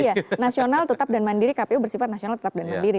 iya nasional tetap dan mandiri kpu bersifat nasional tetap dan mandiri